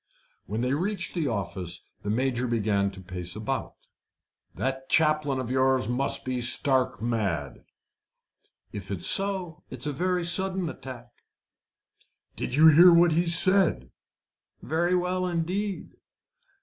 When they reached the office the Major began to pace about. "That chaplain of yours must be stark mad." "If so, it is a very sudden attack." "Did you hear what he said?" "Very well indeed."